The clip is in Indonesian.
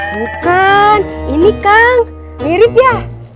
bukan ini kang mirip ya